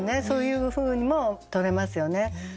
そういうふうにもとれますよね。